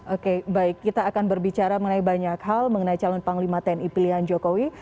oke baik kita akan berbicara mengenai banyak hal mengenai calon panglima tni pilihan jokowi